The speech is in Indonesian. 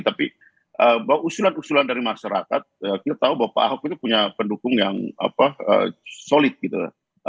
tapi bahwa usulan usulan dari masyarakat kita tahu bahwa pak ahok itu punya pendukung yang solid gitu